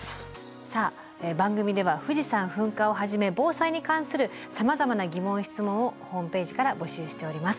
さあ番組では富士山噴火をはじめ防災に関するさまざまな疑問・質問をホームページから募集しております。